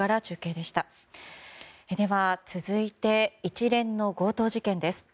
では続いて一連の強盗事件です。